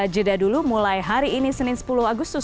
jeda dulu mulai hari ini senin sepuluh agustus